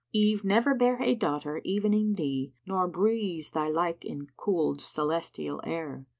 Eve never bare a daughter evening thee * Nor breathes thy like in Khuld's[FN#76] celestial air.